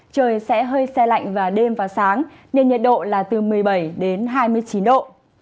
trời sẽ hơi xe lạnh vào đêm và sáng nên nhiệt độ là từ một mươi bảy đến hai mươi chín độ